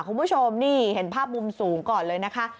คุณผู้ชมนี่เห็นภาพมุมสูงก่อนเลยนะคะ